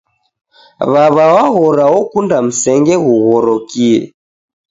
Wawa waghora okunda msenge ghughorokie